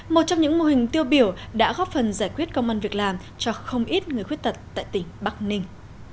một trong những mô hình tiêu biểu đã góp phần giải quyết công an việc làm cho không ít người khuyết tật tại tỉnh bắc ninh